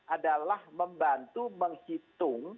adalah membantu menghitung